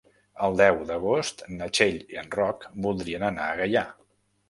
El deu d'agost na Txell i en Roc voldrien anar a Gaià.